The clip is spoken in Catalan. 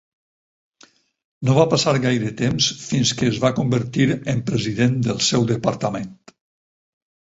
No va passar gaire temps fins que es va convertir en president del seu departament.